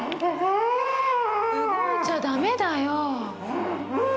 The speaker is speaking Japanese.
動いちゃダメだよぉ。